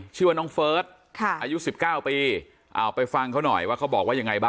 ชื่อว่าน้องเฟิร์สอายุ๑๙ปีเอาไปฟังเขาหน่อยว่าเขาบอกว่ายังไงบ้าง